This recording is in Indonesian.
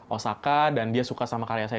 osaka dan dia suka sama karya saya